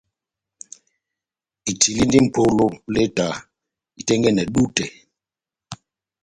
Itilindi mʼpolo leta itɛ́ngɛ́nɛ dutɛ.